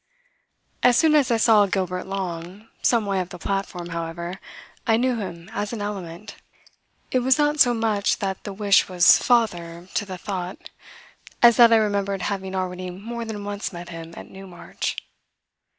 As soon as I saw Gilbert Long, some way up the platform, however, I knew him as an element. It was not so much that the wish was father to the thought as that I remembered having already more than once met him at Newmarch.